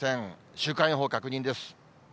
週間予報、確認です。